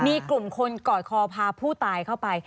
มีกลุ่มคนกอดคอพาผู้ตายเข้าไป